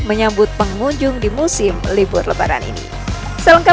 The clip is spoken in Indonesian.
lalu bagaimana kesiapan tempat tempat wisata di jawa tengah